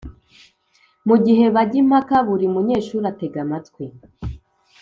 Mu gihe bajya impaka, buri munyeshuri atega amatwi